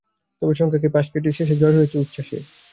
তবে শঙ্কাকে পাশ কাটিয়ে শেষে জয় হয়েছে উচ্ছ্বাসের।